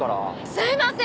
すいません